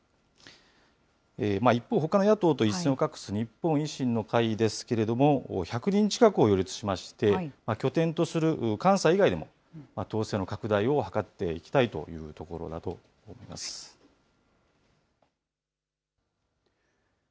一方、ほかの野党と一線を画す日本維新の会ですけれども、１００人近くを擁立しまして、拠点とする関西以外でも党勢の拡大を図っていきたいというところだと思います。